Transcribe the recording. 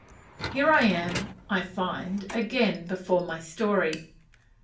Here I am, I find, again before my story.